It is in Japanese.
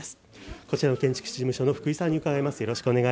こちらの建築士事務所の福井さんのお話を伺います。